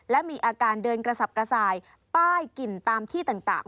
และมีอาการเดินกระสับกระส่ายป้ายกลิ่นตามที่ต่าง